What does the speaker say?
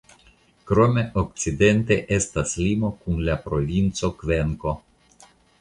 Krome okcidente estas limo kun la provinco Kvenko.